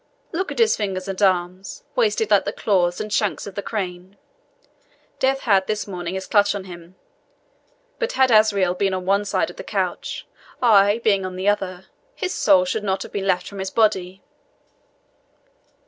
Look at his fingers and arms, wasted like the claws and shanks of the crane. Death had this morning his clutch on him; but had Azrael been on one side of the couch, I being on the other, his soul should not have been left from his body.